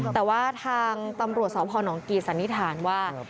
แต่ว่าทางตำรวจสพนกีสันนิษฐานว่า